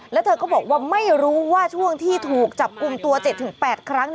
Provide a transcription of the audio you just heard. แล้วเธอก็บอกว่าไม่รู้ว่าช่วงที่ถูกจับกลุ่มตัว๗๘ครั้ง